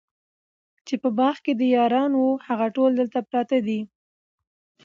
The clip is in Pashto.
چي په باغ کي دي یاران وه هغه ټول دلته پراته دي